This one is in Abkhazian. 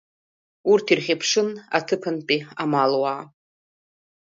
Урҭ ирхьыԥшын аҭыԥантәи амалуаа.